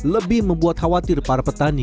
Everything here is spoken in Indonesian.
lebih membuat khawatir para petani